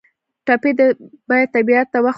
ټپي ته باید طبیعت ته وخت ورکړو.